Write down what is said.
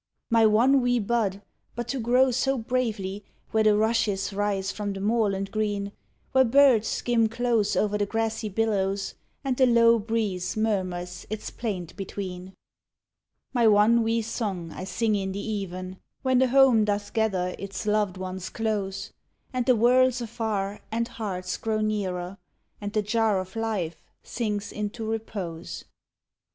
My one wee bud, but to grow so bravely Where the rushes rise from the moorland green, Where birds skim close o'er the grassy billows And the low breeze murmurs its plaint between. My one wee song I sing in the even, When the home doth gather its loved ones close, And the world's afar and hearts grow nearer, And the jar of life sinks into repose.